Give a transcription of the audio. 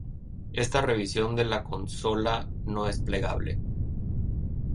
Esta revisión de la consola no es plegable.